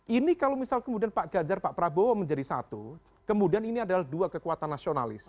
ini kalau misal kemudian pak ganjar pak prabowo menjadi satu kemudian ini adalah dua kekuatan nasionalis